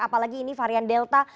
apalagi ini varian delta